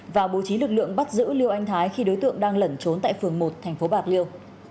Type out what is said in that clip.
và bố trí lực lượng bắt giữ liêu anh thái khi đối tượng đang lẩn trốn tại phường một thành phố bạc liêu